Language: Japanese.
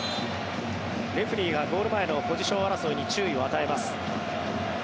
レフェリーがゴール前のポジション争いに注意を与えます。